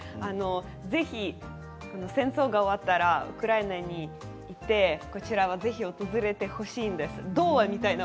ぜひ戦争が終わったらウクライナに行ってこちらをぜひ訪れてほしいんです。